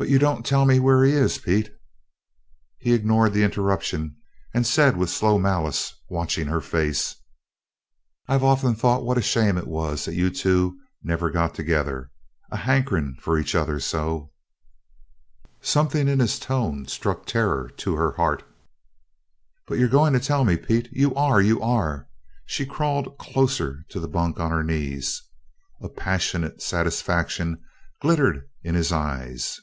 "But you don't tell me where he is, Pete!" He ignored the interruption and said with slow malice, watching her face: "I've often thought what a shame it was that you two never got together a hankerin' for each other so." Something in his tone struck terror to her heart. "But you're going to tell me, Pete? You are! You are!" She crawled closer to the bunk, on her knees. A passionate satisfaction glittered in his eyes.